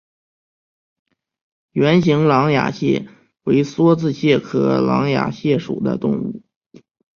圆形狼牙蟹为梭子蟹科狼牙蟹属的动物。